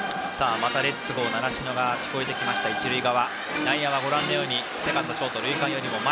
また「レッツゴー習志野」が聴こえてきました、一塁側。